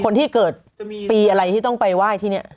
คนที่เกิดปีอะไรที่ต้องไปไหว้ที่นี่